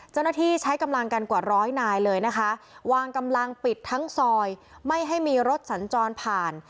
เจ้าหน้าที่ใช้กำลังกันกว่าร้อยนายเลยนะคะวางกำลังปิดทั้งซอยไม่ให้มีรถสัญจรผ่าน